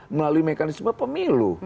melalui mekanisme pemilu